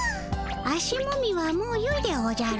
足もみはもうよいでおじゃる。